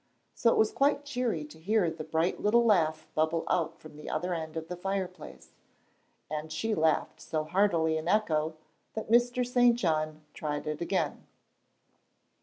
So it was quite cheery to hear the bright little laugh bubble out from the other end of the fireplace, and she laughed so heartily in echo, that Mr. St. John tried it again.